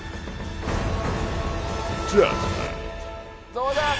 どうだ？